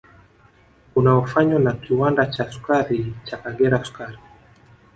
Unaofanywa na kiwanda cha sukari cha Kagera sukari